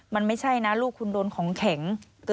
มันไม่ใช่นะลูกคุณโดนของแข็ง